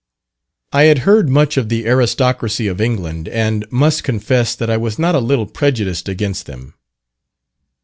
I had heard much of the aristocracy of England, and must confess that I was not a little prejudiced against them.